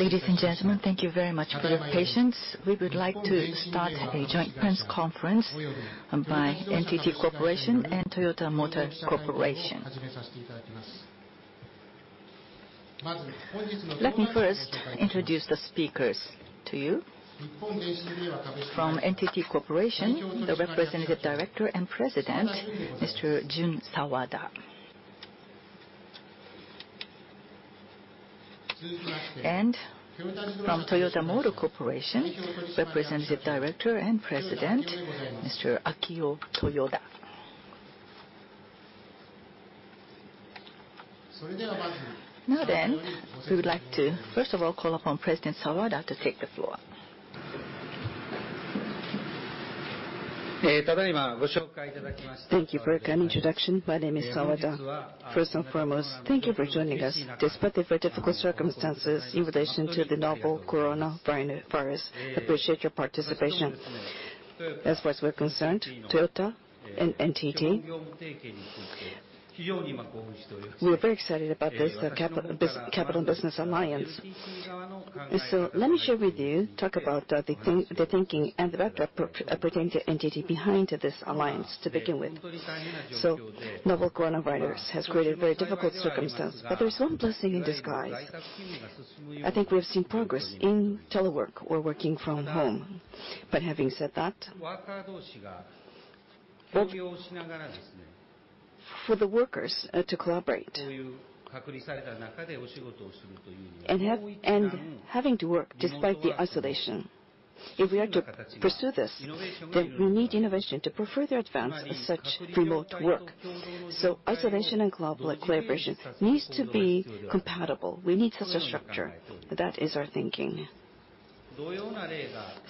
Ladies and gentlemen, thank you very much for your patience. We would like to start a joint press conference by NTT Corporation and Toyota Motor Corporation. Let me first introduce the speakers to you. From NTT Corporation, the Representative Director and President, Mr. Jun Sawada. From Toyota Motor Corporation, Representative Director and President, Mr. Akio Toyoda. We would like to first of all call upon President Jun Sawada to take the floor. Thank you for a kind introduction. My name is Jun Sawada. First and foremost, thank you for joining us despite the very difficult circumstances in relation to the novel coronavirus. Appreciate your participation. As far as we're concerned, Toyota and NTT, we are very excited about this capital business alliance. Let me share with you, talk about the thinking and the value pertaining to NTT behind this alliance to begin with. Novel coronavirus has created a very difficult circumstance, but there is one blessing in disguise. I think we have seen progress in telework or working from home. Having said that, for the workers to collaborate and having to work despite the isolation, if we are to pursue this, then we need innovation to further advance such remote work. Isolation and collaboration needs to be compatible. We need such a structure. That is our thinking.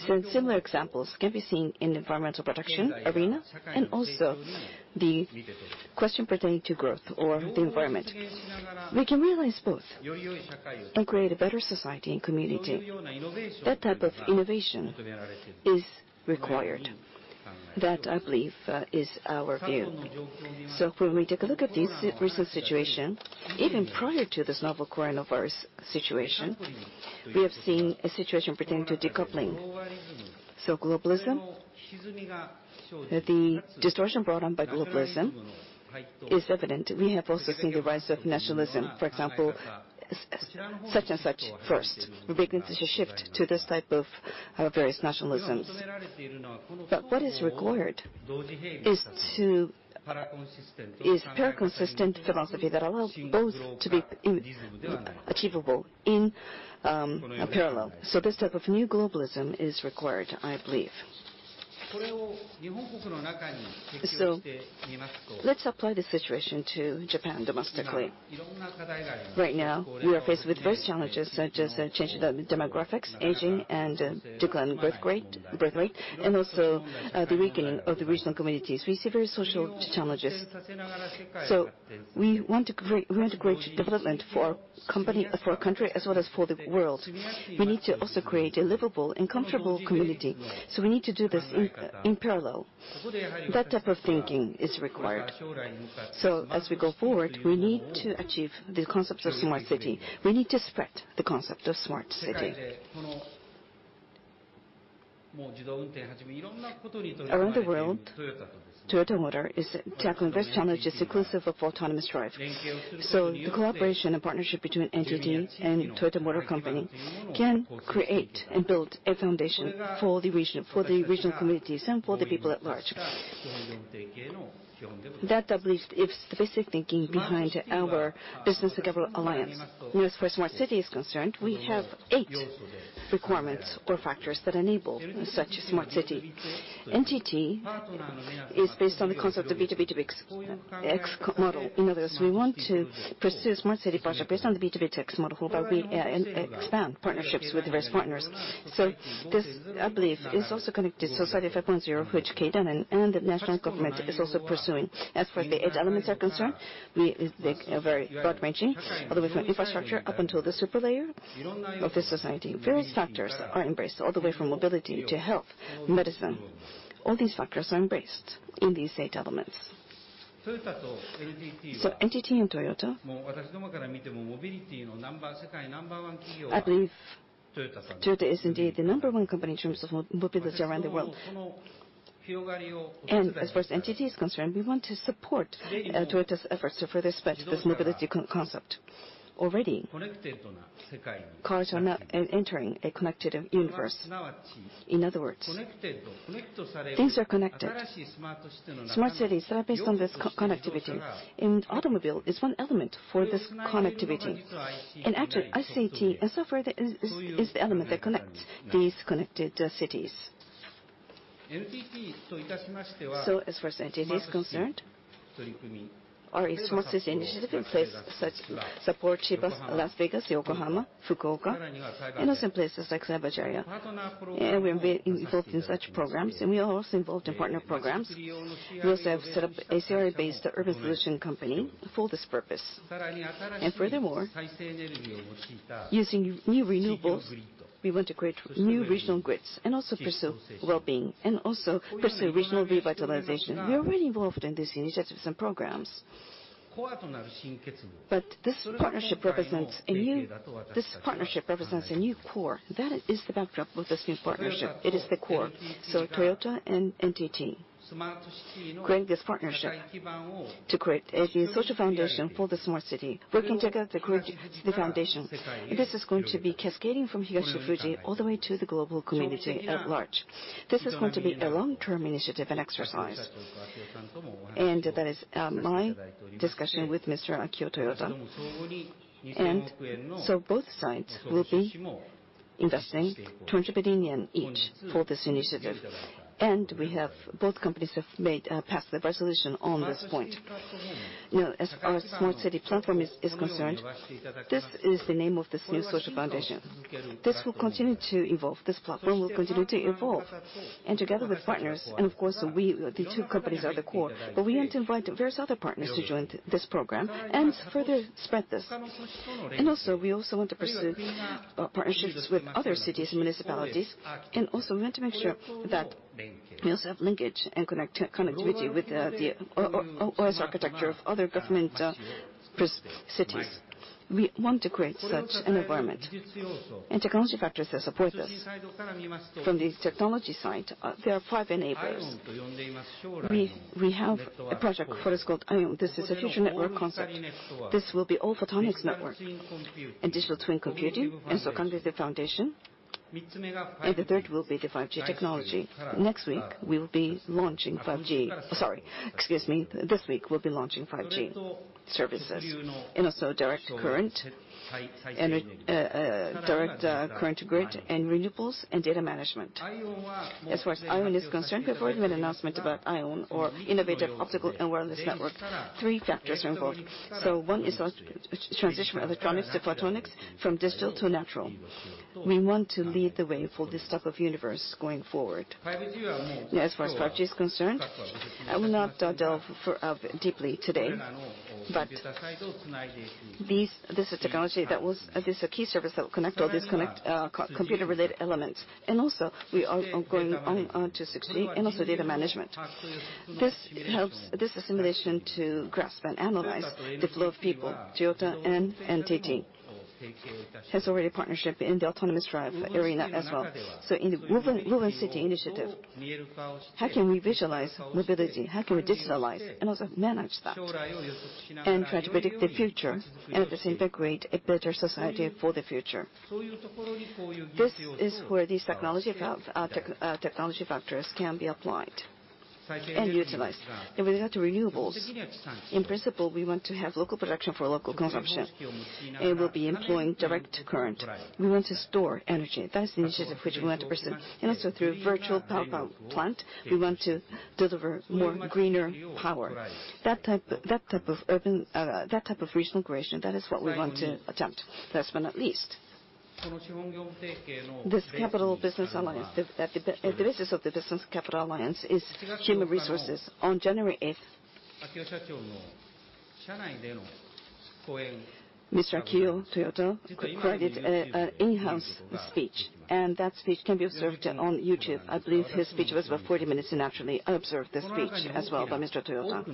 Some similar examples can be seen in the environmental protection arena and also the question pertaining to growth or the environment. We can realize both and create a better society and community. That type of innovation is required. That, I believe, is our view. When we take a look at this recent situation, even prior to this novel coronavirus situation, we have seen a situation pertaining to decoupling. Globalism, the distortion brought on by globalism is evident. We have also seen the rise of nationalism, for example, such and such first. We're witnessing a shift to this type of various nationalisms. What is required is paraconsistent philosophy that allows both to be achievable in parallel. This type of new globalism is required, I believe. Let's apply this situation to Japan domestically. Right now, we are faced with various challenges such as changing demographics, aging, and declining birth rate, and also the weakening of the regional communities. We see various social challenges. We want a great development for our country as well as for the world. We need to also create a livable and comfortable community. We need to do this in parallel. That type of thinking is required. As we go forward, we need to achieve the concept of Smart City. We need to spread the concept of Smart City. Around the world, Toyota Motor is tackling various challenges inclusive of autonomous drive. The cooperation and partnership between NTT and Toyota Motor Corporation can create and build a foundation for the regional communities and for the people at large. That, I believe, is the basic thinking behind our business and capital alliance. As far as Smart City is concerned, we have eight requirements or factors that enable such a Smart City. NTT is based on the concept of B2B2X model. In other words, we want to pursue Smart City project based on the B2B2X model, whereby we expand partnerships with various partners. This, I believe, is also connected to Society 5.0, which Keidanren and the national government is also pursuing. As far as the eight elements are concerned, they are very broad-ranging, all the way from infrastructure up until the super layer of the society. Various factors are embraced, all the way from mobility to health, medicine. All these factors are embraced in these eight elements. NTT and Toyota, I believe Toyota is indeed the number one company in terms of mobility around the world. As far as NTT is concerned, we want to support Toyota's efforts to further spread this mobility concept. Already cars are now entering a connected universe. In other words, things are connected. Smart cities are based on this connectivity, and automobile is one element for this connectivity. Actually, ICT and software is the element that connects these connected cities. As far as NTT is concerned, our smart city initiative in place supports Chiba, Las Vegas, Yokohama, Fukuoka, and also places like Cyber Bay Area. We are involved in such programs, and we are also involved in partner programs. We also have set up an ACRE-based urban solution company for this purpose. Furthermore, using new renewables, we want to create new regional grids and also pursue well-being and also pursue regional revitalization. We are already involved in these initiatives and programs. This partnership represents a new core. That is the backdrop of this new partnership. It is the core. Toyota and NTT creating this partnership to create a new social foundation for the smart city, working together to create the foundation. This is going to be cascading from Higashi Fuji all the way to the global community at large. This is going to be a long-term initiative and exercise, and that is my discussion with Mr. Akio Toyoda. Both sides will be investing 20 billion yen each for this initiative. Both companies have passed the resolution on this point. As our Smart City Platform is concerned, this is the name of this new social foundation. This will continue to evolve. This platform will continue to evolve. Together with partners, and of course, the two companies are the core, but we want to invite various other partners to join this program and further spread this. Also, we also want to pursue partnerships with other cities and municipalities, and also we want to make sure that we also have linkage and connectivity with the OS architecture of other government cities. We want to create such an environment, and technology factors that support this. From the technology side, there are five enablers. We have a project for what is called IOWN. This is a future network concept. This will be all photonics network, and Digital Twin Computing, and so comes the foundation, and the third will be the 5G technology. Next week, we'll be launching 5G. Sorry, excuse me, this week we'll be launching 5G services. Also direct current to grid and renewables and data management. As far as IOWN is concerned, we have already made an announcement about IOWN or Innovative Optical and Wireless Network. Three factors are involved. One is transition from electronics to photonics, from digital to natural. We want to lead the way for this type of universe going forward. Now, as far as 5G is concerned, I will not delve deeply today. This is a key service that will connect all these computer-related elements. We are going on to 6G and also data management. This helps. This is a simulation to grasp and analyze the flow of people. Toyota and NTT has already a partnership in the autonomous drive arena as well. In the Woven City initiative, how can we visualize mobility? How can we digitalize and also manage that and try to predict the future and at the same time create a better society for the future? This is where these technology factors can be applied and utilized. With regard to renewables, in principle, we want to have local production for local consumption, and we'll be employing direct current. We want to store energy. That is the initiative which we want to pursue. Also through virtual power plant, we want to deliver more greener power. That type of regional creation, that is what we want to attempt. Last but not least, this capital business alliance. The basis of the business capital alliance is human resources. On January 8th, Mr. Akio Toyoda created an in-house speech, and that speech can be observed on YouTube. I believe his speech was about 40 minutes. Actually, I observed the speech as well by Mr. Akio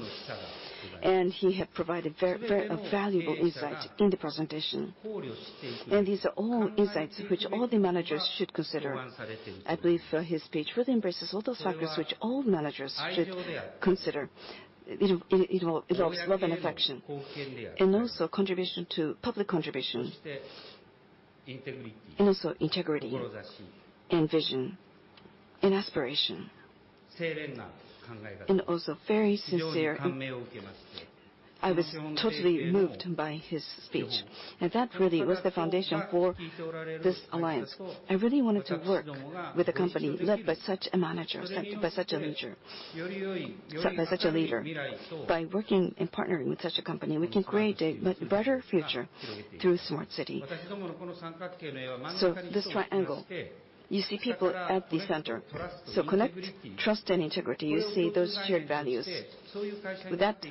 Toyoda. He had provided very valuable insight in the presentation. These are all insights which all the managers should consider. I believe his speech really embraces all those factors which all managers should consider. It was love and affection, and also public contribution, and also integrity and vision and aspiration, and also very sincere. I was totally moved by his speech. That really was the foundation for this alliance. I really wanted to work with a company led by such a manager, led by such a leader. By working and partnering with such a company, we can create a better future through a smart city. This triangle, you see people at the center. Connect, trust, and integrity, you see those shared values. With that,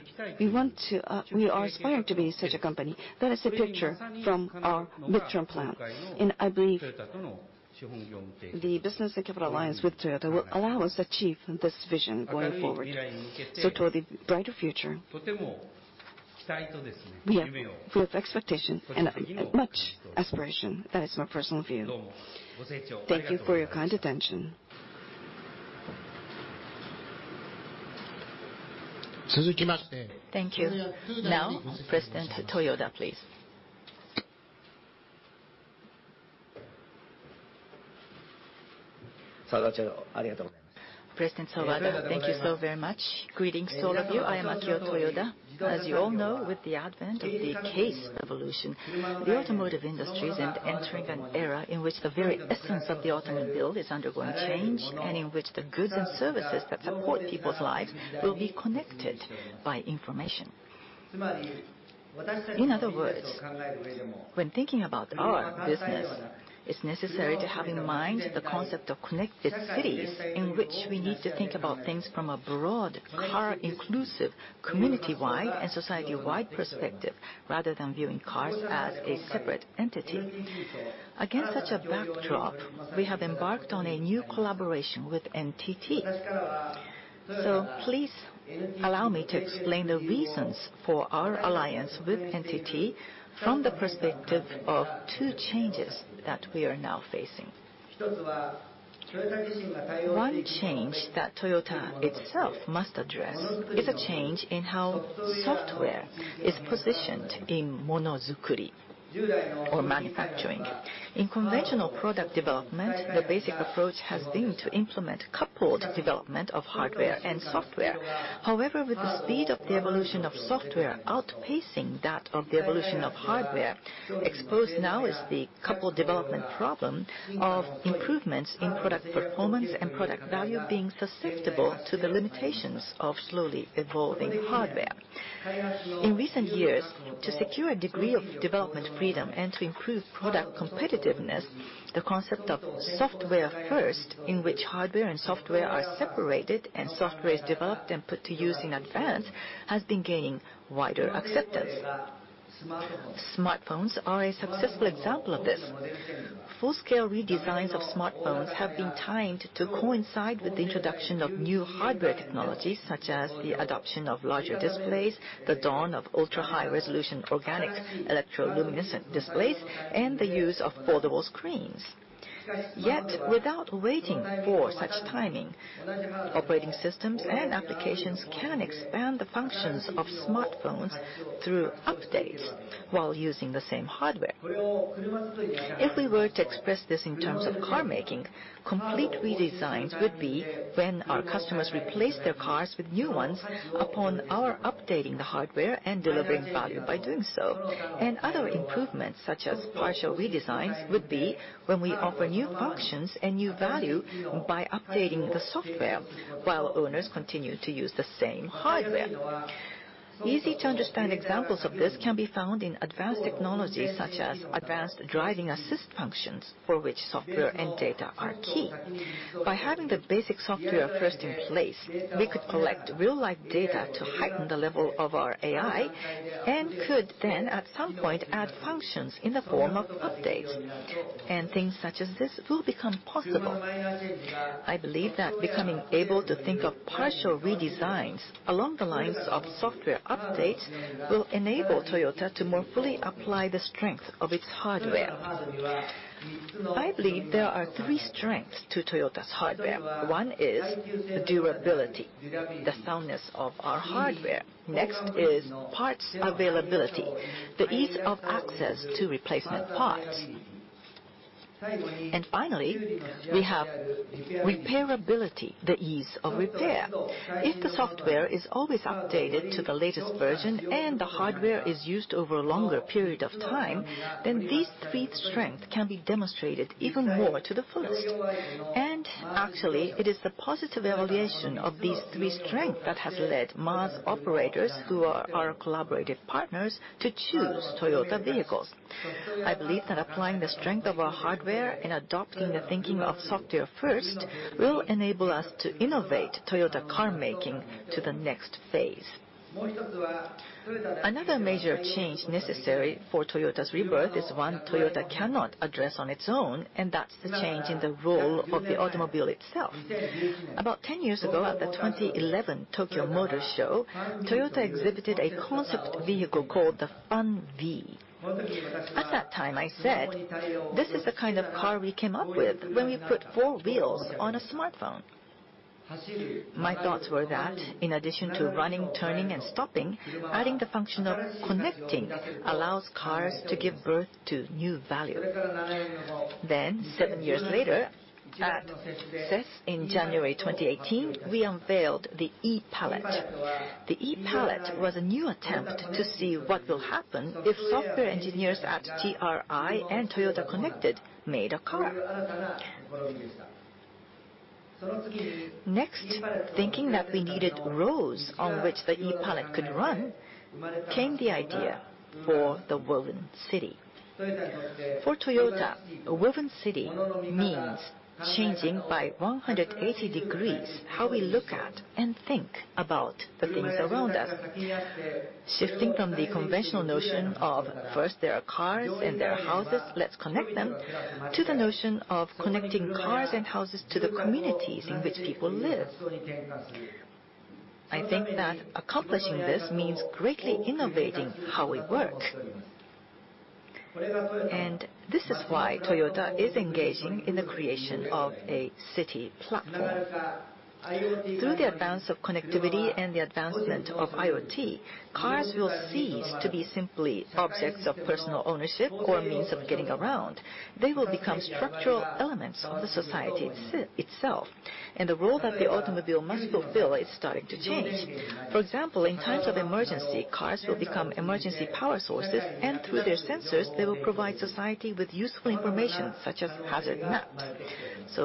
we are aspiring to be such a company. That is a picture from our midterm plan, and I believe the business and capital alliance with Toyota will allow us to achieve this vision going forward. Toward the brighter future, we are full of expectation and much aspiration. That is my personal view. Thank you for your kind attention. Thank you. Now, President Akio Toyoda, please. President Jun Sawada, thank you so very much. Greetings to all of you. I am Akio Toyoda. As you all know, with the advent of the CASE Evolution, the automotive industry is entering an era in which the very essence of the automobile is undergoing change, and in which the goods and services that support people's lives will be connected by information. In other words, when thinking about our business, it's necessary to have in mind the concept of connected cities, in which we need to think about things from a broad, car-inclusive, community-wide, and society-wide perspective, rather than viewing cars as a separate entity. Against such a backdrop, we have embarked on a new collaboration with NTT. Please allow me to explain the reasons for our alliance with NTT from the perspective of two changes that we are now facing. One change that Toyota itself must address is a change in how software is positioned in monozukuri, or manufacturing. In conventional product development, the basic approach has been to implement coupled development of hardware and software. However, with the speed of the evolution of software outpacing that of the evolution of hardware, exposed now is the coupled development problem of improvements in product performance and product value being susceptible to the limitations of slowly evolving hardware. In recent years, to secure a degree of development freedom and to improve product competitiveness, the concept of software-first, in which hardware and software are separated and software is developed and put to use in advance, has been gaining wider acceptance. Smartphones are a successful example of this. Full-scale redesigns of smartphones have been timed to coincide with the introduction of new hardware technologies, such as the adoption of larger displays, the dawn of ultra-high-resolution organic electroluminescent displays, and the use of foldable screens. Yet, without waiting for such timing, operating systems and applications can expand the functions of smartphones through updates while using the same hardware. If we were to express this in terms of car-making, complete redesigns would be when our customers replace their cars with new ones upon our updating the hardware and delivering value by doing so. Other improvements, such as partial redesigns, would be when we offer new functions and new value by updating the software while owners continue to use the same hardware. Easy-to-understand examples of this can be found in advanced technologies such as advanced driving assist functions, for which software and data are key. By having the basic software first in place, we could collect real-life data to heighten the level of our AI and could then, at some point, add functions in the form of updates. Things such as this will become possible. I believe that becoming able to think of partial redesigns along the lines of software updates will enable Toyota to more fully apply the strength of its hardware. I believe there are three strengths to Toyota's hardware. One is durability, the soundness of our hardware. Next is parts availability, the ease of access to replacement parts. Finally, we have repairability, the ease of repair. If the software is always updated to the latest version and the hardware is used over a longer period of time, then these three strengths can be demonstrated even more to the fullest. It is the positive evaluation of these three strengths that has led MaaS operators, who are our collaborative partners, to choose Toyota vehicles. I believe that applying the strength of our hardware and adopting the thinking of software-first will enable us to innovate Toyota car-making to the next phase. Another major change necessary for Toyota's rebirth is one Toyota cannot address on its own, and that's the change in the role of the automobile itself. About 10 years ago, at the 2011 Tokyo Motor Show, Toyota exhibited a concept vehicle called the Fun-Vii. At that time, I said, "This is the kind of car we came up with when we put four wheels on a smartphone." My thoughts were that in addition to running, turning, and stopping, adding the function of connecting allows cars to give birth to new value. Seven years later, at CES in January 2018, we unveiled the e-Palette. The e-Palette was a new attempt to see what will happen if software engineers at TRI and Toyota Connected made a car. Next, thinking that we needed roads on which the e-Palette could run, came the idea for the Woven City. For Toyota, a Woven City means changing by 180 degrees how we look at and think about the things around us. Shifting from the conventional notion of first there are cars and there are houses, let's connect them, to the notion of connecting cars and houses to the communities in which people live. I think that accomplishing this means greatly innovating how we work. This is why Toyota is engaging in the creation of a city platform. Through the advance of connectivity and the advancement of IoT, cars will cease to be simply objects of personal ownership or a means of getting around. They will become structural elements of the society itself, and the role that the automobile must fulfill is starting to change. For example, in times of emergency, cars will become emergency power sources, and through their sensors, they will provide society with useful information such as hazard maps.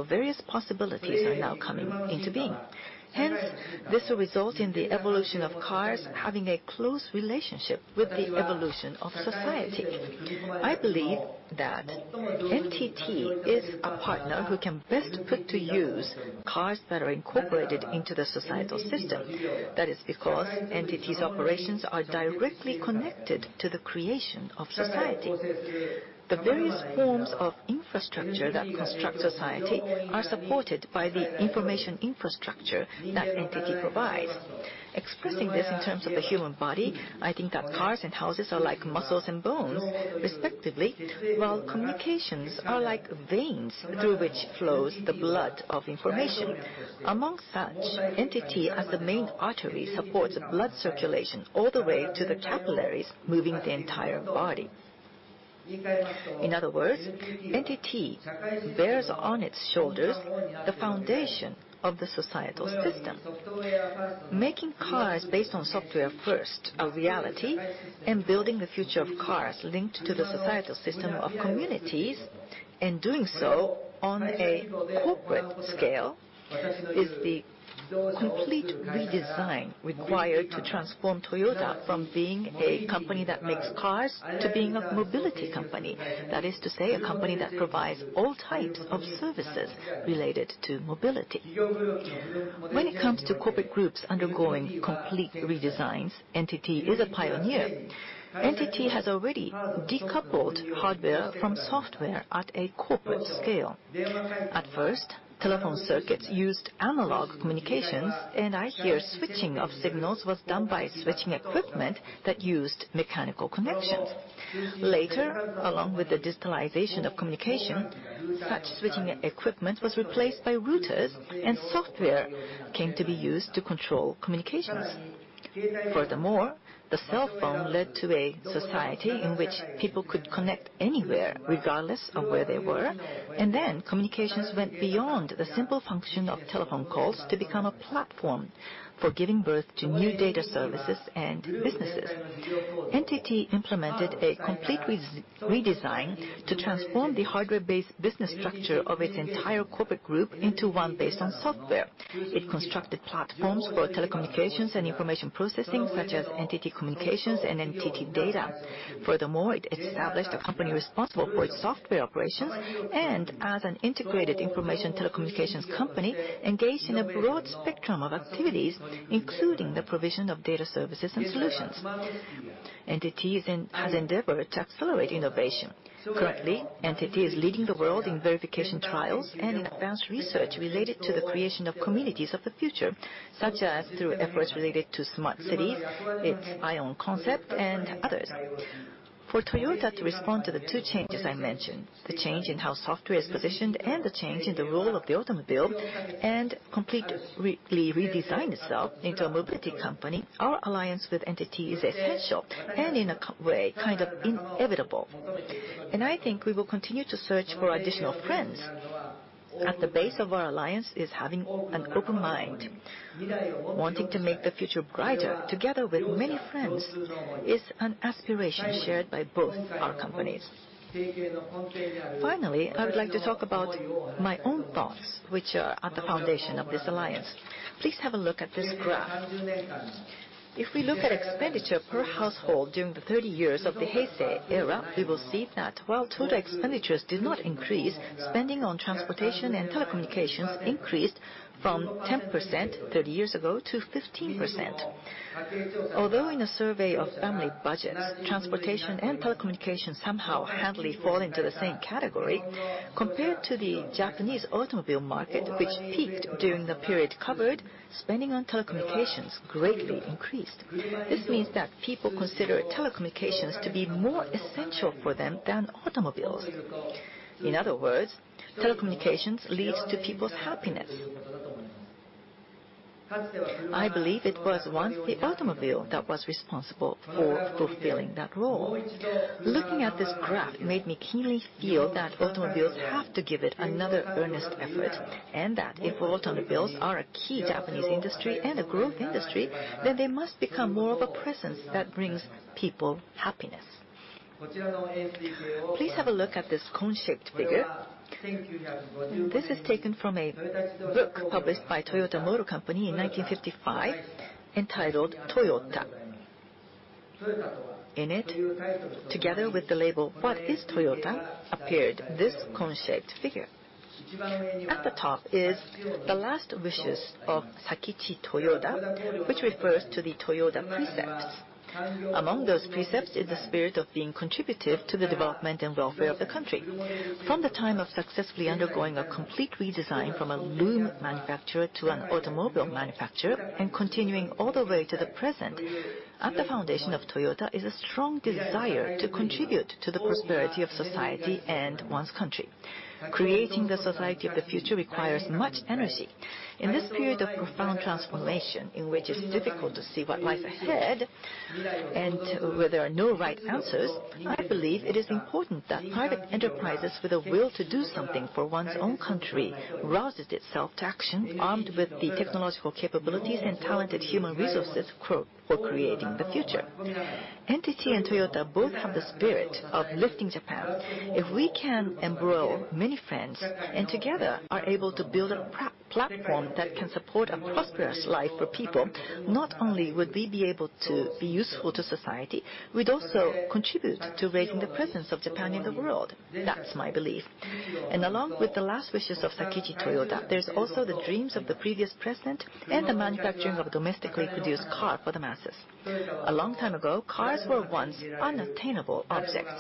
Various possibilities are now coming into being. This will result in the evolution of cars having a close relationship with the evolution of society. I believe that NTT is a partner who can best put to use cars that are incorporated into the societal system. That is because NTT's operations are directly connected to the creation of society. The various forms of infrastructure that construct society are supported by the information infrastructure that NTT provides. Expressing this in terms of the human body, I think that cars and houses are like muscles and bones, respectively, while communications are like veins through which flows the blood of information. Among such, NTT, as the main artery, supports blood circulation all the way to the capillaries, moving the entire body. In other words, NTT bears on its shoulders the foundation of the societal system. Making cars based on software-first a reality, and building the future of cars linked to the societal system of communities, and doing so on a corporate scale, is the complete redesign required to transform Toyota from being a company that makes cars to being a mobility company. That is to say, a company that provides all types of services related to mobility. When it comes to corporate groups undergoing complete redesigns, NTT is a pioneer. NTT has already decoupled hardware from software at a corporate scale. At first, telephone circuits used analog communications, and I hear switching of signals was done by switching equipment that used mechanical connections. Later, along with the digitalization of communication, such switching equipment was replaced by routers, and software came to be used to control communications. Furthermore, the cell phone led to a society in which people could connect anywhere, regardless of where they were. Communications went beyond the simple function of telephone calls to become a platform for giving birth to new data services and businesses. NTT implemented a complete redesign to transform the hardware-based business structure of its entire corporate group into one based on software. It constructed platforms for telecommunications and information processing, such as NTT Communications and NTT DATA. Furthermore, it established a company responsible for its software operations, and as an integrated information telecommunications company, engaged in a broad spectrum of activities, including the provision of data services and solutions. NTT has endeavored to accelerate innovation. Currently, NTT is leading the world in verification trials and in advanced research related to the creation of communities of the future, such as through efforts related to smart cities, its IOWN concept, and others. For Toyota to respond to the two changes I mentioned, the change in how software is positioned and the change in the role of the automobile, and completely redesign itself into a mobility company, our alliance with NTT is essential and, in a way, kind of inevitable. I think we will continue to search for additional friends. At the base of our alliance is having an open mind. Wanting to make the future brighter together with many friends is an aspiration shared by both our companies. Finally, I would like to talk about my own thoughts, which are at the foundation of this alliance. Please have a look at this graph. If we look at expenditure per household during the 30 years of the Heisei era, we will see that while total expenditures did not increase, spending on transportation and telecommunications increased from 10% 30 years ago to 15%. Although in a survey of family budgets, transportation and telecommunications somehow handily fall into the same category, compared to the Japanese automobile market, which peaked during the period covered, spending on telecommunications greatly increased. This means that people consider telecommunications to be more essential for them than automobiles. In other words, telecommunications leads to people's happiness. I believe it was once the automobile that was responsible for fulfilling that role. Looking at this graph made me keenly feel that automobiles have to give it another earnest effort, and that if automobiles are a key Japanese industry and a growth industry, then they must become more of a presence that brings people happiness. Please have a look at this cone-shaped figure. This is taken from a book published by Toyota Motor Corporation in 1955 entitled "Toyota." In it, together with the label, "What is Toyota?" appeared this cone-shaped figure. At the top is the last wishes of Sakichi Toyoda, which refers to the Toyota precepts. Among those precepts is the spirit of being contributive to the development and welfare of the country. From the time of successfully undergoing a complete redesign from a loom manufacturer to an automobile manufacturer and continuing all the way to the present, at the foundation of Toyota is a strong desire to contribute to the prosperity of society and one's country. Creating the society of the future requires much energy. In this period of profound transformation, in which it's difficult to see what lies ahead, and where there are no right answers, I believe it is important that private enterprises with a will to do something for one's own country rouses itself to action, armed with the technological capabilities and talented human resources quote, "For creating the future." NTT and Toyota both have the spirit of lifting Japan. If we can embroil many friends, and together are able to build a platform that can support a prosperous life for people, not only would we be able to be useful to society, we'd also contribute to raising the presence of Japan in the world. That's my belief. Along with the last wishes of Sakichi Toyoda, there's also the dreams of the previous president and the manufacturing of a domestically produced car for the masses. A long time ago, cars were once unattainable objects.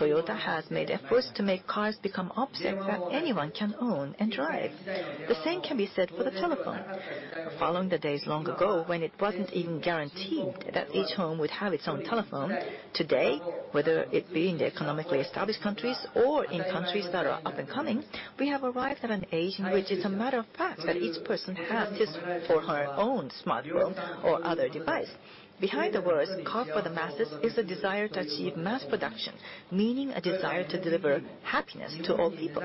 Toyota has made efforts to make cars become objects that anyone can own and drive. The same can be said for the telephone. Following the days long ago when it wasn't even guaranteed that each home would have its own telephone, today, whether it be in the economically established countries or in countries that are up-and-coming, we have arrived at an age in which it's a matter of fact that each person has his or her own smartphone or other device. Behind the words, "Car for the masses," is a desire to achieve mass production, meaning a desire to deliver happiness to all people.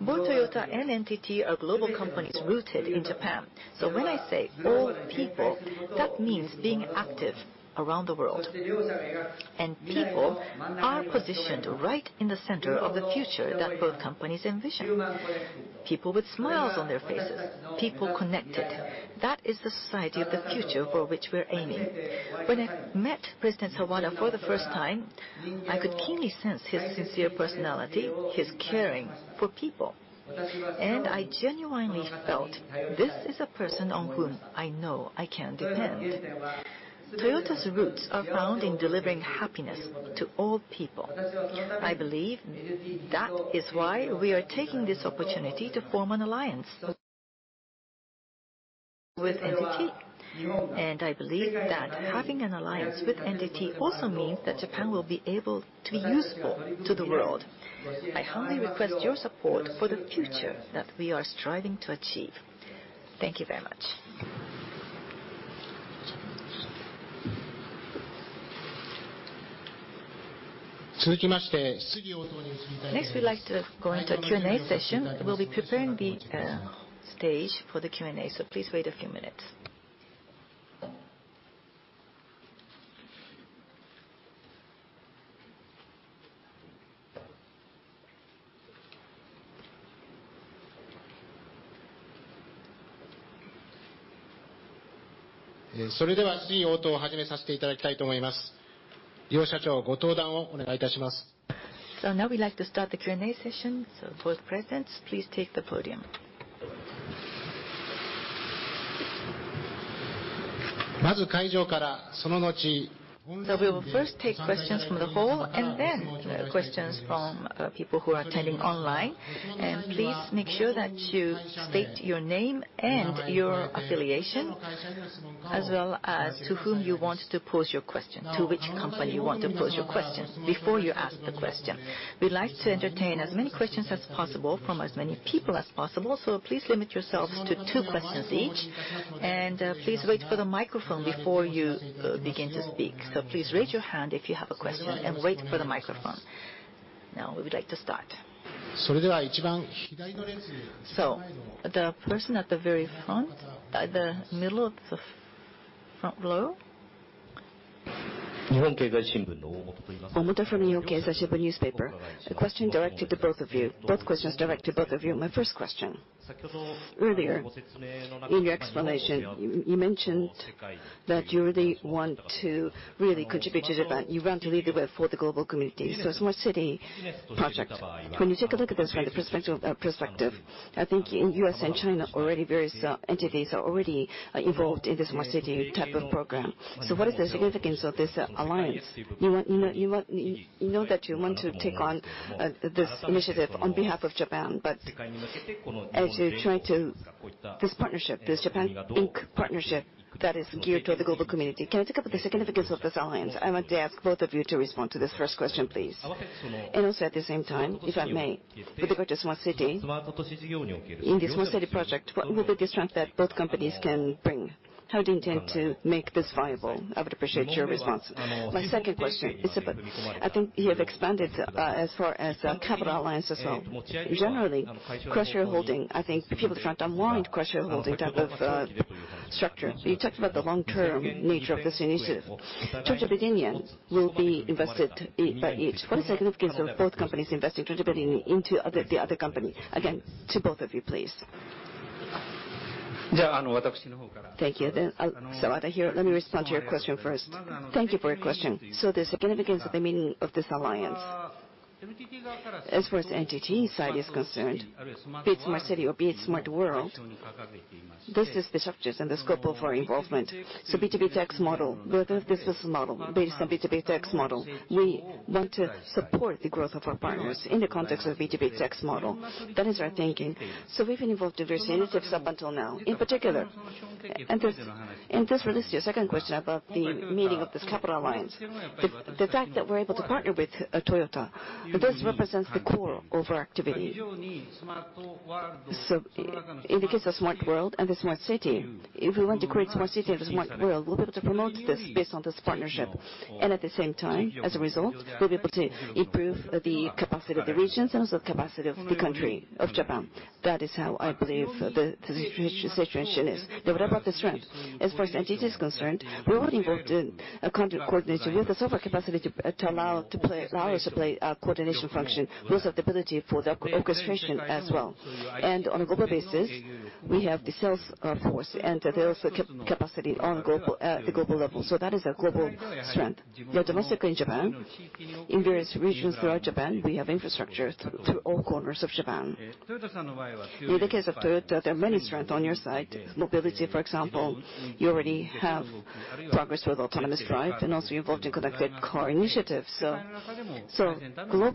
Both Toyota and NTT are global companies rooted in Japan. When I say all people, that means being active around the world. People are positioned right in the center of the future that both companies envision. People with smiles on their faces, people connected, that is the society of the future for which we're aiming. When I met President Jun Sawada for the first time, I could keenly sense his sincere personality, his caring for people, and I genuinely felt, this is a person on whom I know I can depend. Toyota's roots are found in delivering happiness to all people. I believe that is why we are taking this opportunity to form an alliance with NTT. I believe that having an alliance with NTT also means that Japan will be able to be useful to the world. I humbly request your support for the future that we are striving to achieve. Thank you very much. Next, we'd like to go into Q&A session. We'll be preparing the stage for the Q&A, so please wait a few minutes. Now we'd like to start the Q&A session, so both presidents, please take the podium. We will first take questions from the hall and then questions from people who are attending online. Please make sure that you state your name and your affiliation, as well as to whom you want to pose your question, to which company you want to pose your question, before you ask the question. We'd like to entertain as many questions as possible from as many people as possible, so please limit yourselves to two questions each, and please wait for the microphone before you begin to speak. Please raise your hand if you have a question and wait for the microphone. Now we would like to start. The person at the very front, at the middle of the front row. Omota from Nihon Keizai Shimbun Newspaper. A question directed to both of you. Both questions directed to both of you. My first question. Earlier in your explanation, you mentioned that you really want to contribute to Japan. You want to lead the way for the global community. Smart city project. When you take a look at this from the perspective, I think in U.S. and China, already various entities are already involved in the smart city type of program. What is the significance of this alliance? We know that you want to take on this initiative on behalf of Japan, but this partnership, this Japan Inc partnership that is geared to the global community. Can I take up the significance of this alliance? I want to ask both of you to respond to this first question, please. At the same time, if I may, with regard to Smart City. In the Smart City project, what will be the strength that both companies can bring? How do you intend to make this viable? I would appreciate your response. My second question is about, I think you have expanded as far as capital alliance as well. Generally, cross-shareholding, I think people are sometimes unwarned cross-shareholding type of structure. You talked about the long-term nature of this initiative. 200 billion yen will be invested by each. What is the significance of both companies investing 200 billion into the other company? Again, to both of you, please. Thank you. Jun Sawada here. Let me respond to your question first. Thank you for your question. The significance or the meaning of this alliance. As far as NTT's side is concerned, be it smart city or be it smart world, this is the subject and the scope of our involvement. B2B2X model, both of these business model based on B2B2X model. We want to support the growth of our partners in the context of B2B2X model. That is our thinking. We've been involved in various initiatives up until now. This relates to your second question about the meaning of this capital alliance. The fact that we're able to partner with Toyota, this represents the core of our activity. In the case of Smart World and the Smart City, if we want to create Smart City and Smart World, we'll be able to promote this based on this partnership. At the same time, as a result, we'll be able to improve the capacity of the regions and also capacity of the country of Japan. That is how I believe the situation is. What about the strength? As far as NTT is concerned, we were involved in coordination. We have the sort of capacity to allow us to play a coordination function, also the ability for the orchestration as well. On a global basis, we have the sales force and the sales capacity at the global level. That is a global strength. Domestically in Japan, in various regions throughout Japan, we have infrastructure to all corners of Japan. In the case of Toyota, there are many strengths on your side. Mobility, for example, you already have progress with autonomous drive and also involved in connected car initiatives. Globally,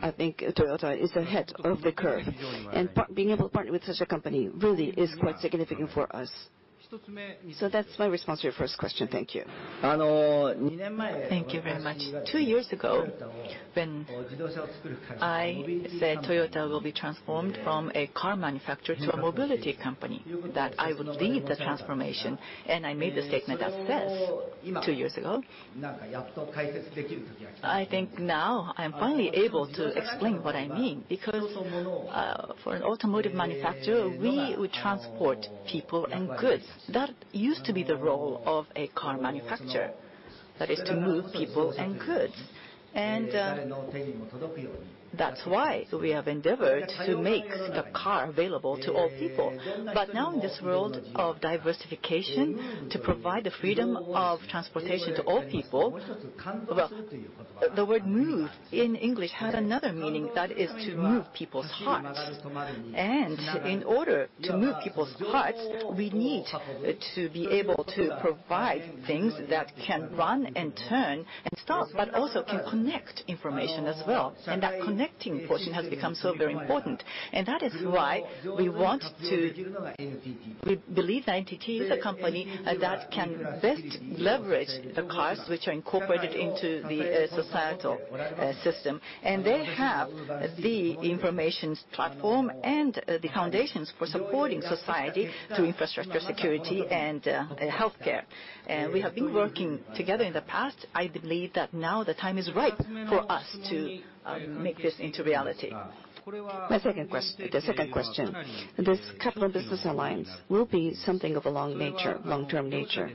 I think Toyota is ahead of the curve, and being able to partner with such a company really is quite significant for us. That's my response to your first question. Thank you. Thank you very much. Two years ago, when I said Toyota will be transformed from a car manufacturer to a mobility company, that I would lead the transformation, I made the statement as this two years ago. I think now I'm finally able to explain what I mean. For an automotive manufacturer, we would transport people and goods. That used to be the role of a car manufacturer, that is to move people and goods. That's why we have endeavored to make a car available to all people. Now, in this world of diversification, to provide the freedom of transportation to all people Well, the word move in English had another meaning, that is to move people's hearts. In order to move people's hearts, we need to be able to provide things that can run and turn and stop, but also can connect information as well. That connecting portion has become so very important. That is why we believe that NTT is a company that can best leverage the cars which are incorporated into the societal system. They have the information platform and the foundations for supporting society through infrastructure security and healthcare. We have been working together in the past. I believe that now the time is right for us to make this into reality. The second question. This capital business alliance will be something of a long-term nature.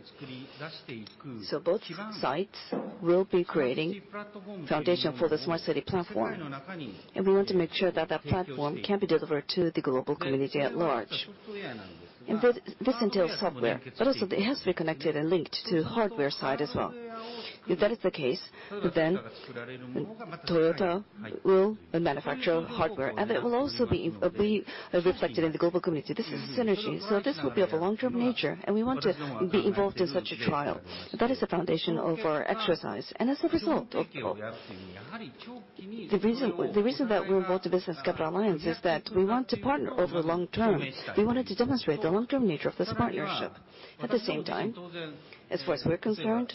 Both sides will be creating a foundation for the Smart City Platform. We want to make sure that that platform can be delivered to the global community at large. This entails software, but also it has to be connected and linked to the hardware side as well. If that is the case, Toyota will manufacture hardware, and it will also be reflected in the global community. This is synergy, this will be of a long-term nature, and we want to be involved in such a trial. That is the foundation of our exercise. As a result, the reason that we're involved in the business capital alliance is that we want to partner over the long term. We wanted to demonstrate the long-term nature of this partnership. At the same time, as far as we're concerned,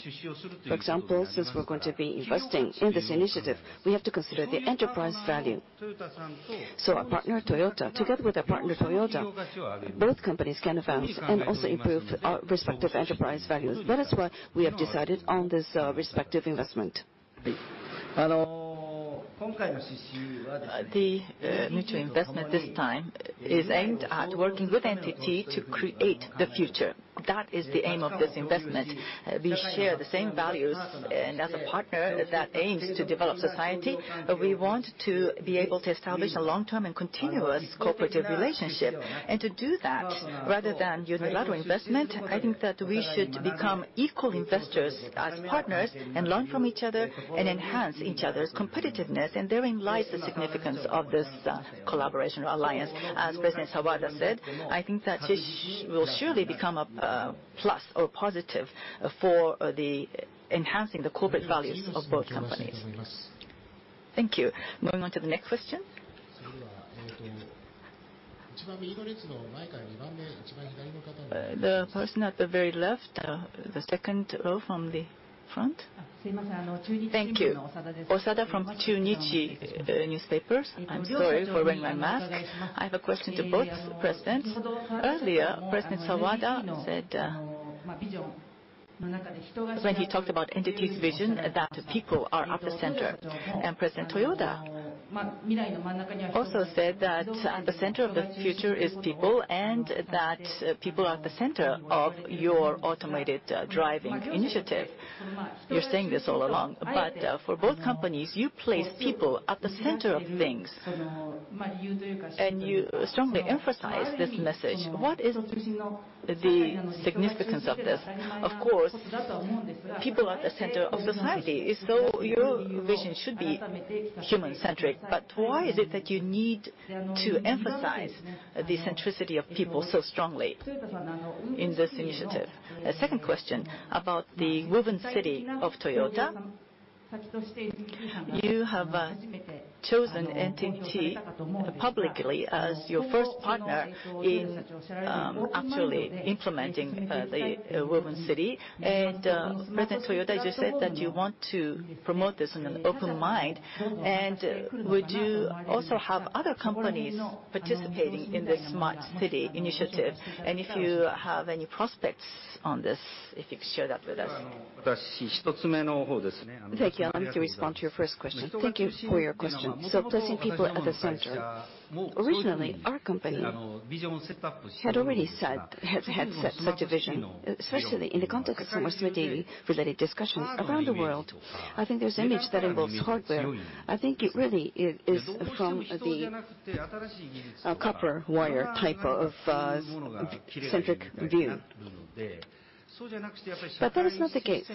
for example, since we're going to be investing in this initiative, we have to consider the enterprise value. Together with our partner Toyota, both companies can advance and also improve our respective enterprise values. That is why we have decided on this respective investment. The mutual investment this time is aimed at working with NTT to create the future. That is the aim of this investment. We share the same values, and as a partner that aims to develop society, we want to be able to establish a long-term and continuous cooperative relationship. To do that, rather than unilateral investment, I think that we should become equal investors as partners and learn from each other and enhance each other's competitiveness. Therein lies the significance of this collaboration or alliance. As President Jun Sawada said, I think that this will surely become a plus or positive for enhancing the corporate values of both companies. Thank you. Moving on to the next question. The person at the very left, the second row from the front. Thank you. Hiromi Osada from Chunichi Shimbun. I'm sorry for wearing my mask. I have a question to both presidents. Earlier, President Jun Sawada said, when he talked about NTT's vision, that people are at the center. President Akio Toyoda also said that at the center of the future is people and that people are at the center of your automated driving initiative. You're saying this all along, but for both companies, you place people at the center of things, and you strongly emphasize this message. What is the significance of this? Of course, people are at the center of society, so your vision should be human-centric. Why is it that you need to emphasize the centricity of people so strongly in this initiative? A second question about the Woven City of Toyota. You have chosen NTT publicly as your first partner in actually implementing the Woven City. President Toyoda, you said that you want to promote this in an open mind. Would you also have other companies participating in the Smart City initiative? If you have any prospects on this, if you could share that with us. Thank you. I'll need to respond to your first question. Thank you for your question. Placing people at the center. Originally, our company had already set such a vision, especially in the context of Smart City-related discussions. Around the world, I think there's an image that involves hardware. I think it really is from the copper wire type of centric view. That is not the case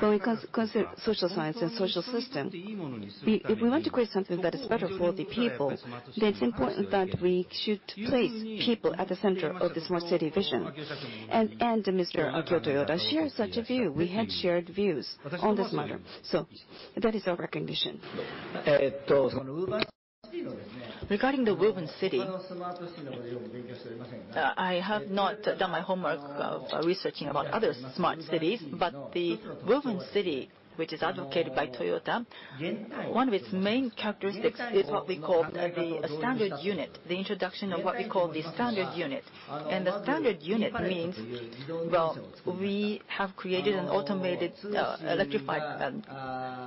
when we consider social science and social systems. If we want to create something that is better for the people, then it's important that we should place people at the center of the Smart City vision. Mr. Akio Toyoda shares such a view. We have shared views on this matter, so that is our recognition. Regarding the Woven City, I have not done my homework of researching about other smart cities, the Woven City, which is advocated by Toyota, one of its main characteristics is what we call the standard unit, the introduction of what we call the standard unit. The standard unit means, well, we have created an automated electrified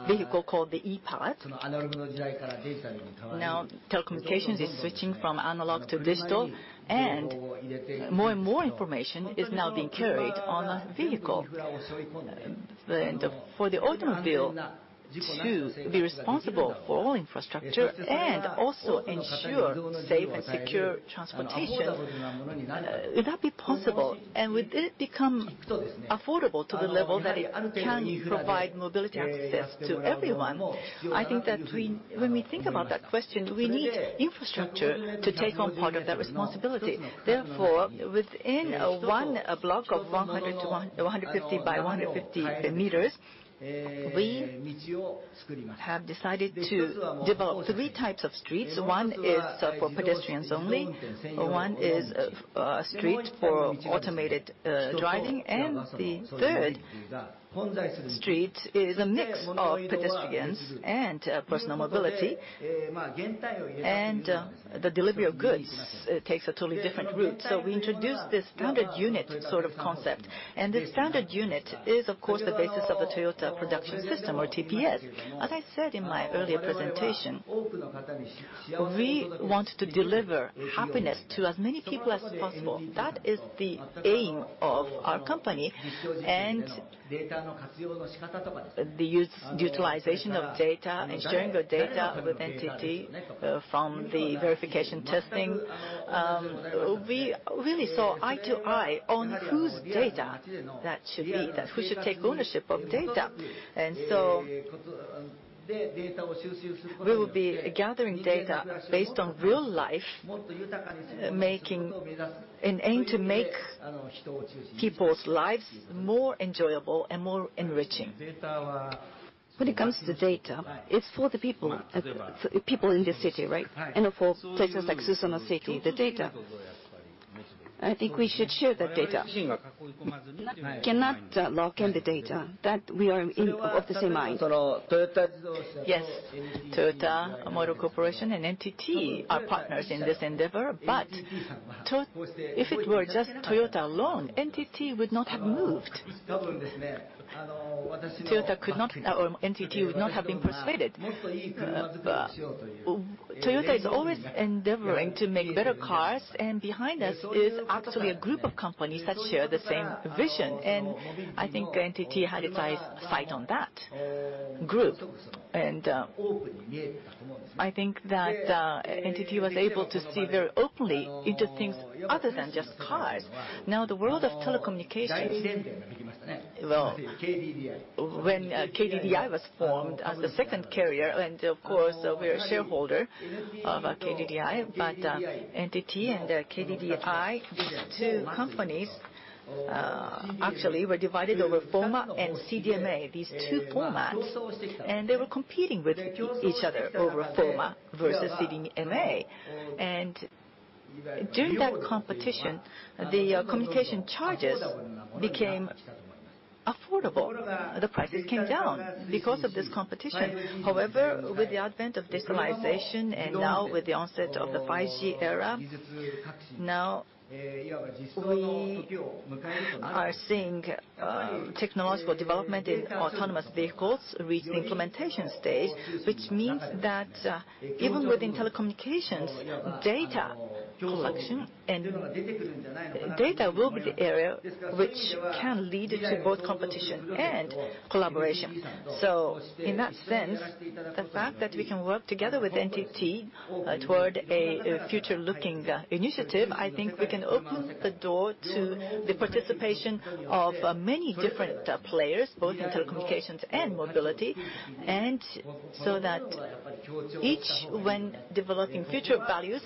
vehicle called the e-Palette. Telecommunications is switching from analog to digital, and more information is now being carried on a vehicle. For the automobile to be responsible for all infrastructure and also ensure safe and secure transportation, would that be possible? Would it become affordable to the level that it can provide mobility access to everyone? I think that when we think about that question, we need infrastructure to take on part of that responsibility. Therefore, within one block of 150 m by 150 m, we have decided to develop three types of streets. One is for pedestrians only, one is a street for automated driving, and the third street is a mix of pedestrians and personal mobility. The delivery of goods takes a totally different route. We introduced this standard unit sort of concept. This standard unit is, of course, the basis of the Toyota Production System, or TPS. As I said in my earlier presentation, we want to deliver happiness to as many people as possible. That is the aim of our company, and the utilization of data and sharing of data with NTT from the verification testing, we really saw eye to eye on whose data that should be, that who should take ownership of data. We will be gathering data based on real life, in aim to make people's lives more enjoyable and more enriching. When it comes to data, it's for the people in the city, right? For places like Susono City, the data, I think we should share that data. We cannot lock in the data. That, we are of the same mind. Yes. Toyota Motor Corporation and NTT are partners in this endeavor. If it were just Toyota alone, NTT would not have moved. NTT would not have been persuaded. Toyota is always endeavoring to make better cars, and behind us is actually a group of companies that share the same vision, and I think NTT had its eyesight on that group. I think that NTT was able to see very openly into things other than just cars. The world of telecommunications, well, when KDDI was formed as the second carrier, and of course, we are a shareholder of KDDI, but NTT and KDDI, these two companies actually were divided over FOMA and CDMA, these two formats. They were competing with each other over FOMA versus CDMA. During that competition, the communication charges became affordable. The prices came down because of this competition. However, with the advent of digitalization and now with the onset of the 5G era, now we are seeing technological development in autonomous vehicles reach the implementation stage, which means that even within telecommunications, data collection and data will be the area which can lead to both competition and collaboration. In that sense, the fact that we can work together with NTT toward a future-looking initiative, I think we can open the door to the participation of many different players, both in telecommunications and mobility, and so that each, when developing future values,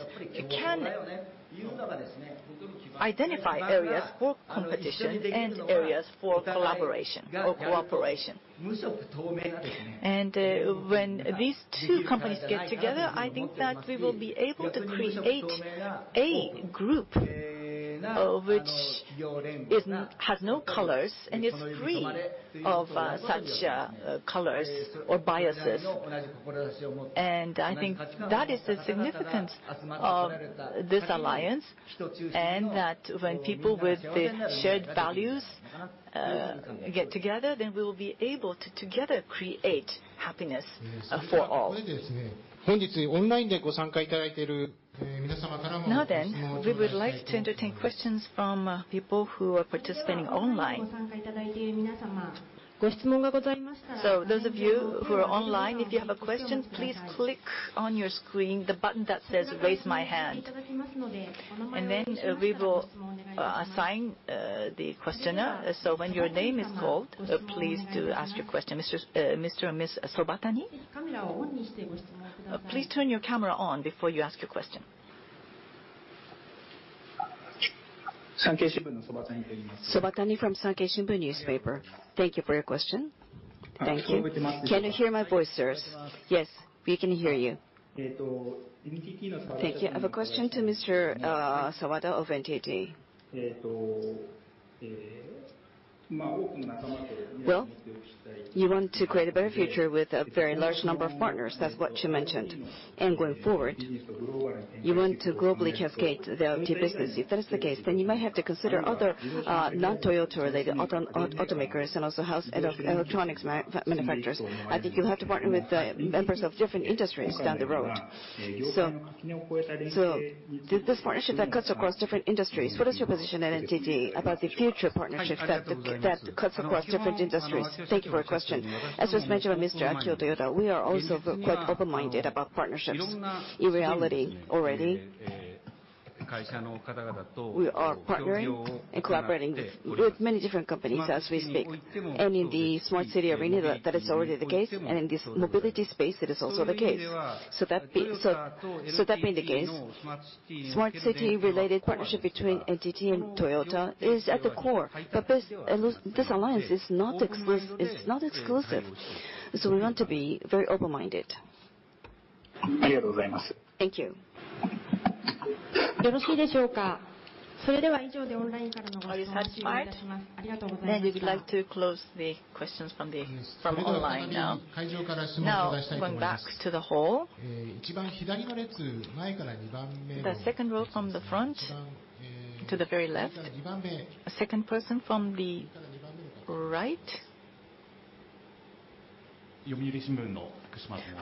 can identify areas for competition and areas for collaboration or cooperation. When these two companies get together, I think that we will be able to create a group which has no colors, and is free of such colors or biases. I think that is the significance of this alliance, and that when people with the shared values get together, then we will be able to together create happiness for all. We would like to entertain questions from people who are participating online. Those of you who are online, if you have a question, please click on your screen, the button that says, "Raise my hand." Then we will assign the questioner, so when your name is called, please do ask your question. Mr. and Ms. Satoshi Sobatani? Please turn your camera on before you ask your question. Satoshi Sobatani from Sankei Shimbun. Thank you for your question. Thank you. Can you hear my voice, sirs? Yes, we can hear you. Thank you. I have a question to Mr. Jun Sawada of NTT. Well, you want to create a better future with a very large number of partners. That's what you mentioned. Going forward, you want to globally cascade the IoT business. If that is the case, then you might have to consider other non-Toyota-related automakers, and also house electronics manufacturers. I think you'll have to partner with members of different industries down the road. This partnership that cuts across different industries, what is your position at NTT about the future partnerships that cuts across different industries? Thank you for your question. As was mentioned by Mr. Akio Toyoda, we are also quite open-minded about partnerships. In reality, already, we are partnering and cooperating with many different companies as we speak. In the smart city arena, that is already the case. In this mobility space, it is also the case. That being the case, smart city-related partnership between NTT and Toyota is at the core. This alliance is not exclusive. We want to be very open-minded. Thank you. Are you satisfied? We would like to close the questions from online now. Now, going back to the hall. The second row from the front to the very left. Second person from the right.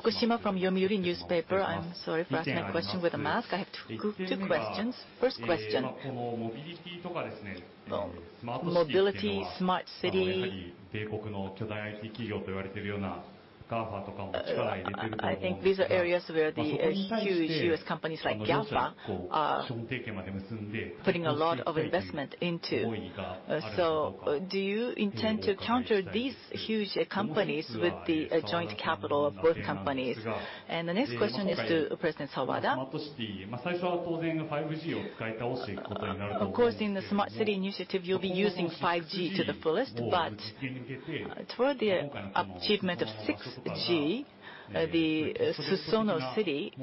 Kushima from Yomiuri Shimbun Newspaper. I'm sorry for asking a question with a mask. I have two questions. First question, mobility, smart city, I think these are areas where the huge U.S. companies like GAFA are putting a lot of investment into. Do you intend to counter these huge companies with the joint capital of both companies? The next question is to President Sawada. Of course, in the smart city initiative, you'll be using 5G to the fullest, but toward the achievement of 6G, Woven City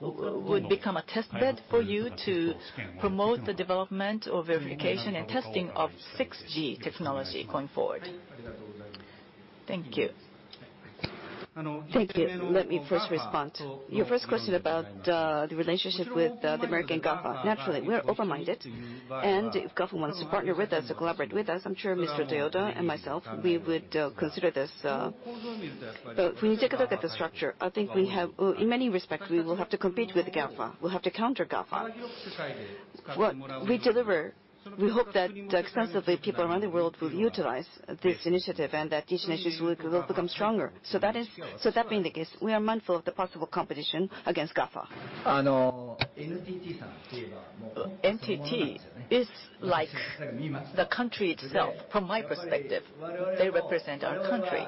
would become a test bed for you to promote the development or verification and testing of 6G technology going forward. Thank you. Thank you. Let me first respond. Your first question about the relationship with the American GAFA. Naturally, we are open-minded, and if GAFA wants to partner with us or collaborate with us, I'm sure Mr. Akio Toyoda and myself, we would consider this. When you take a look at the structure, I think in many respects, we will have to compete with GAFA. We'll have to counter GAFA. What we deliver, we hope that extensively people around the world will utilize this initiative, and that this initiative will become stronger. That being the case, we are mindful of the possible competition against GAFA. NTT is like the country itself, from my perspective. They represent our country.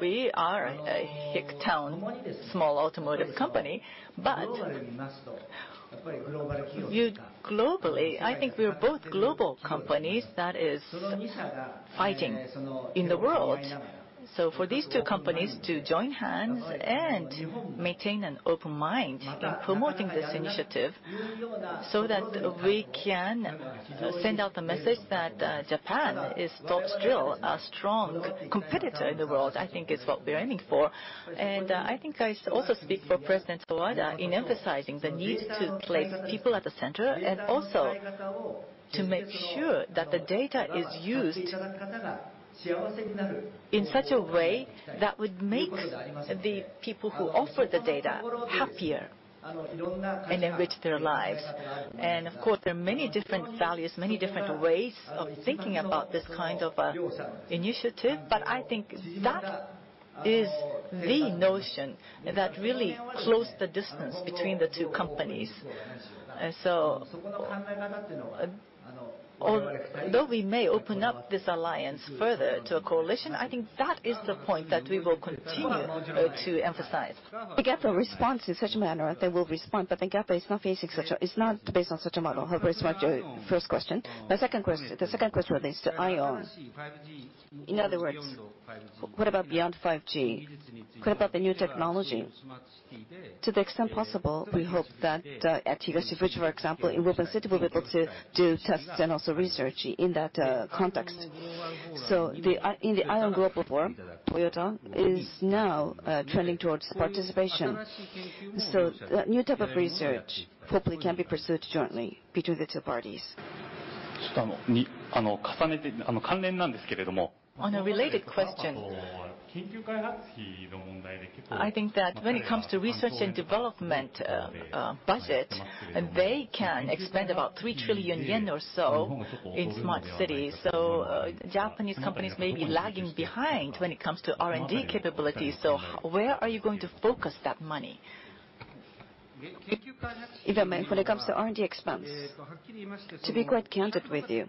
We are a hick town, small automotive company. Viewed globally, I think we are both global companies that is fighting in the world. For these two companies to join hands and maintain an open mind in promoting this initiative so that we can send out the message that Japan is still a strong competitor in the world, I think it's what we are aiming for. I think I also speak for President Jun Sawada in emphasizing the need to place people at the center, and also to make sure that the data is used in such a way that would make the people who offer the data happier and enrich their lives. Of course, there are many different values, many different ways of thinking about this kind of initiative, but I think that is the notion that really closed the distance between the two companies. Although we may open up this alliance further to a coalition, I think that is the point that we will continue to emphasize. If GAFA responds in such a manner, they will respond. GAFA is not based on such a model. Hope I answered your first question. The second question relates to IOWN. In other words, what about beyond 5G? What about the new technology? To the extent possible, we hope that at Higashi-Fuji, for example, in Woven City, we'll be able to do tests and also research in that context. In the IOWN Global Forum, Toyota is now trending towards participation. New type of research hopefully can be pursued jointly between the two parties. On a related question, I think that when it comes to research and development budget, they can expend about 3 trillion yen or so in smart cities. Japanese companies may be lagging behind when it comes to R&D capabilities. Where are you going to focus that money? When it comes to R&D expense, to be quite candid with you,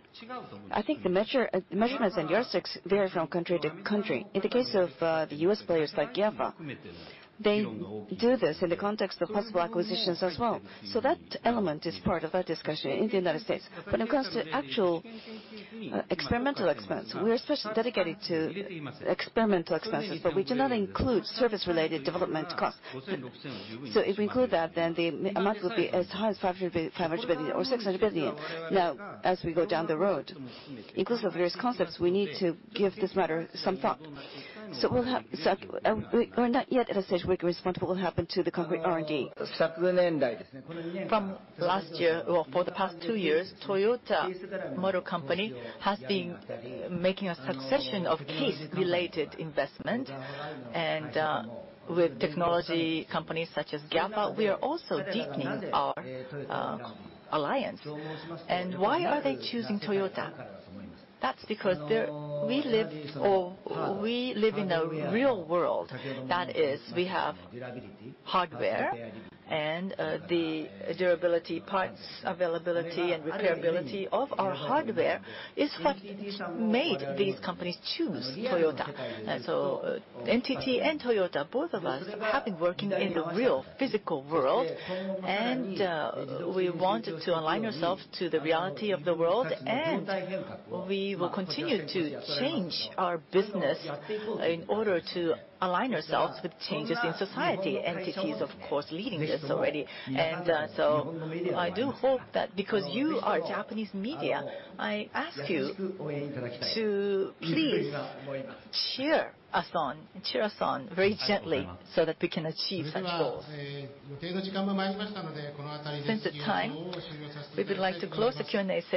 I think the measurements and yardsticks vary from country to country. In the case of the U.S. players like GAFA, they do this in the context of possible acquisitions as well. That element is part of our discussion in the United States. When it comes to actual experimental expense, we are especially dedicated to experimental expenses, but we do not include service-related development costs. If we include that, then the amount will be as high as 500 billion or 600 billion. As we go down the road, inclusive of various concepts, we need to give this matter some thought. We are not yet at a stage where we can respond to what will happen to the concrete R&D. From last year, or for the past two years, Toyota Motor Corporation has been making a succession of CASE-related investment, and with technology companies such as GAFA, we are also deepening our alliance. Why are they choosing Toyota? That's because we live in a real world. That is, we have hardware, and the durability, parts availability, and repairability of our hardware is what made these companies choose Toyota. NTT and Toyota, both of us, have been working in the real physical world, and we wanted to align ourselves to the reality of the world, and we will continue to change our business in order to align ourselves with changes in society. NTT is, of course, leading this already. I do hope that because you are Japanese media, I ask you to please cheer us on very gently so that we can achieve such goals. Since it's time, we would like to close the Q&A session.